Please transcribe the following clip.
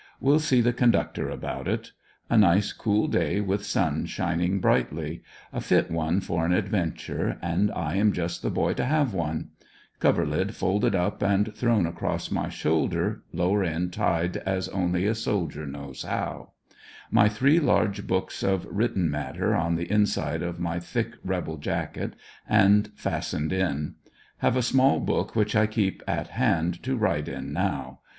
Will see the conductor about it. A nice cool day with sun shining brightly— a fit one for an adventure and I am just the boy to have one Coverlid folded up and thrown across my shoulder, lower end tied as only a soldier knows how My three large books of written matter on the inside of my thick rebel jacket, and fast ened in. Have a small book which I keep at hand to write in now.